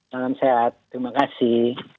salam sehat terima kasih